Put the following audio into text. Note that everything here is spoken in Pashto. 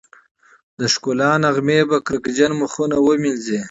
د ښکلا نغمې به کرکجن مخونه ومينځي